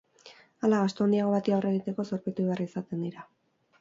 Hala, gastu handiago bati aurre egiteko zorpetu behar izaten dira.